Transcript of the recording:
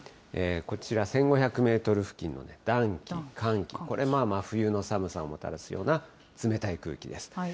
こちら、１５００メートル付近の暖気、寒気、これ、冬の寒さをもたらすような冷たい空気です。